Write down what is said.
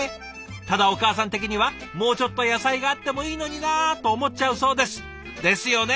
ただお母さん的には「もうちょっと野菜があってもいいのにな」と思っちゃうそうです。ですよね。